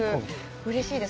うれしいです。